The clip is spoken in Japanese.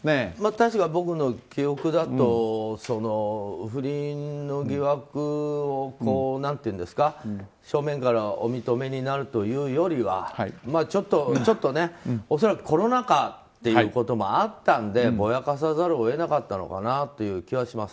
確か僕の記憶だと不倫の疑惑を正面からお認めになるというよりはちょっと、恐らくコロナ禍ということもあったのでぼやかさざるを得なかったのかなという気はします。